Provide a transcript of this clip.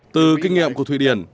từ kinh nghiệm của thụy điển